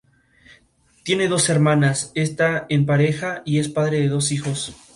Tiene dos hermanas, está en pareja y es padre de dos hijos.